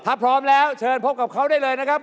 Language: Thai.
ถ้าพร้อมแล้วเชิญพบกับเขาได้เลยนะครับ